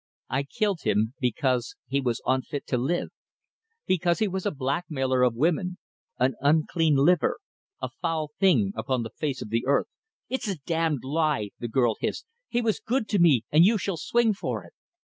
I killed him because he was unfit to live because he was a blackmailer of women, an unclean liver, a foul thing upon the face of the earth." "It's a damned lie!" the girl hissed. "He was good to me, and you shall swing for it!"